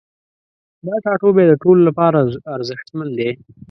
دا ټاتوبی د ټولو لپاره ارزښتمن دی